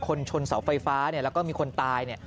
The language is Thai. ชนเสาไฟฟ้าแล้วก็มีคนตาย